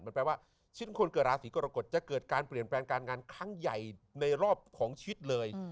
มันแปลว่าชิ้นคนเกิดราศีกรกฎจะเกิดการเปลี่ยนแปลงการงานครั้งใหญ่ในรอบของชีวิตเลย